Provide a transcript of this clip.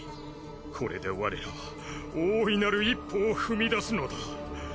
これで我らは大いなる一歩を踏み出すのだ。